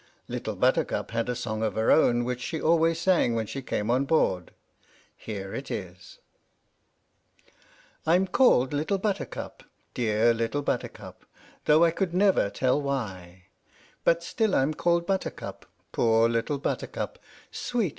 Little Buttercup had a song of her own which 10 H.M.S. "PINAFORE" she always sang when she came on board. Here it is: I'm called Little Buttercup — dear Little Buttercup, Though I could never tell why, But still I'm called Buttercup — poor Little Buttercup, Sweet Little Buttercup, I.